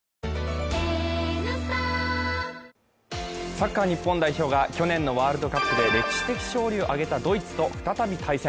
サッカー日本代表が去年のワールドカップで歴史的勝利を挙げたドイツと再び対戦。